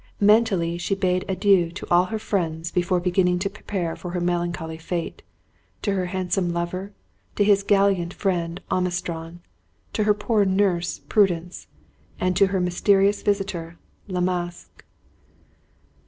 Mentally, she bade adieu to all her friends before beginning to prepare for her melancholy fate to her handsome lover, to his gallant friend Ormiston, to her poor nurse, Prudence, and to her mysterious visitor, La Masque.